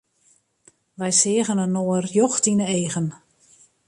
Wy seagen inoar rjocht yn 'e eagen.